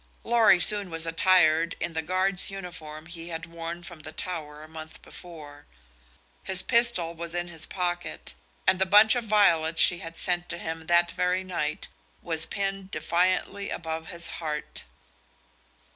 Lorry soon was attired in the guard's uniform he had worn from the Tower a month before. His pistol was in his pocket, and the bunch of violets she had sent to him that very night was pinned defiantly above his heart.